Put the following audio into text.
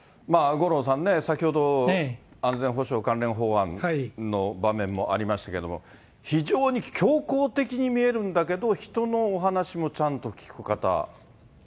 五郎さんね、先ほど安全保障関連法案の場面もありましたけども、非常に強硬的に見えるんだけど、人のお話もちゃんと聞く方。